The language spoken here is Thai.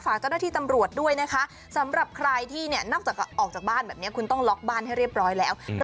เจ้าหน้าที่ตำรวจด้วยนะคะสำหรับใครที่เนี่ยนอกจากออกจากบ้านแบบนี้คุณต้องล็อกบ้านให้เรียบร้อยแล้ว